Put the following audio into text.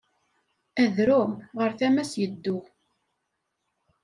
Adrum ɣer tama-s yeddu.